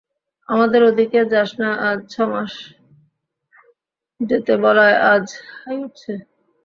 আমাদের ওদিকে যাস না আজ ছ মাস, যেতে বলায় আজ হাই উঠছে?